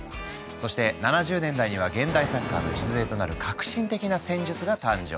そして７０年代には現代サッカーの礎となる革新的な戦術が誕生。